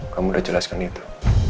kamu sudah jelaskan itu